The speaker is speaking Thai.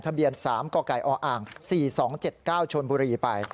ทะเบียนสามกอก่ายออ่างสี่สองเจ็ดเก้าชนบุรีไป